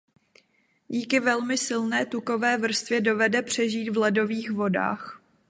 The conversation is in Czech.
Díky velmi silné tukové vrstvě dovede přežít v ledových vodách.